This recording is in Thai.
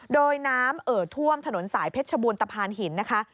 โดยน้ำเอ่อท่วมถนนสายเพชรบูรตะพานหินนะคะ